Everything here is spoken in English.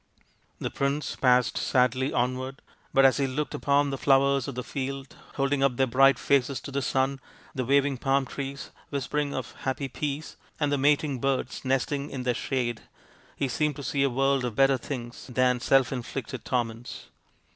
The prince passed sadly onward, but as he looked upon the flowers of the field holding up their bright faces to the sun, the waving palm trees whispering of happy peace, and the mating birds nesting in their shade, he seemed to see a world of better things than self inflicted torments.